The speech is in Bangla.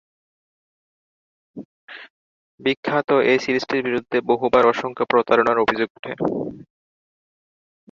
বিখ্যাত এই সিরিজটির বিরুদ্ধে বহুবার অসংখ্য প্রতারণার অভিযোগ ওঠে।